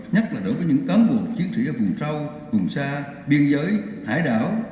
nhất là đối với những cán bộ chiến sĩ ở vùng sâu vùng xa biên giới hải đảo